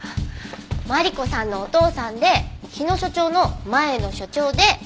マリコさんのお父さんで日野所長の前の所長で。